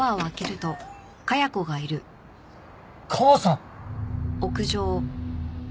母さん！？